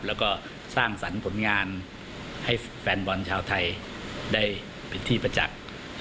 แล้วก็สร้างสรรค์ผลงานให้แฟนบอลชาวไทยได้เป็นที่ประจักษ์